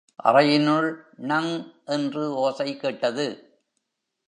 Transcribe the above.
அறையினுள், ணங்... என்று ஓசை கேட்டது.